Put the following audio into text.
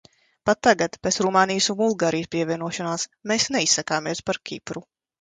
Pat tagad, pēc Rumānijas un Bulgārijas pievienošanās, mēs neizsakāmies par Kipru.